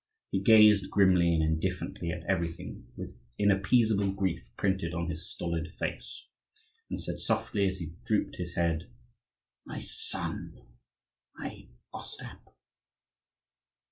He gazed grimly and indifferently at everything, with inappeasable grief printed on his stolid face; and said softly, as he drooped his head, "My son, my Ostap!"